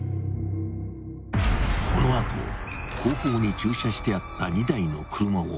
［この後後方に駐車してあった２台の車をこじ破り］